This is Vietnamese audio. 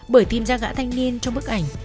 bởi tìm ra gã thanh niên trong bức ảnh